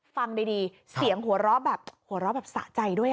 ฟังดีเสียงหัวเราะแบบสะใจด้วย